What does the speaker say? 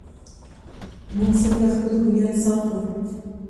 موږ څنګه خپل هویت ساتو؟